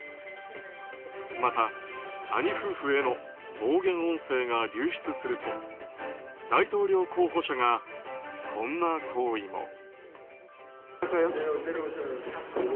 また、兄夫婦への暴言音声が流出すると大統領候補者がこんな行為も。